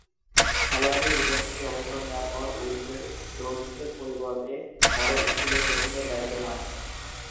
খেলোয়াড়ী জীবন থেকে অবসর নেয়ার পর উইলফ্রেড রোডসের পরিবর্তে হ্যারো স্কুলে কোচিংয়ের দায়িত্ব পান।